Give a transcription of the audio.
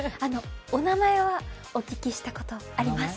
お名前はお聞きしたことあります。